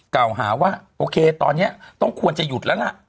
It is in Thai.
เก่าหาว่าโอเคตอนนี้ต้องควรจะหยุดแล้วล่ะ